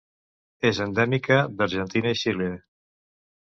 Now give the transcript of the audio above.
És endèmica d'Argentina i Xile.